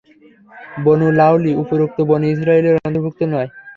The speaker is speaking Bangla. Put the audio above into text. বনু লাওয়ী উপরোক্ত বনী ইসরাঈলের অন্তর্ভুক্ত নয়।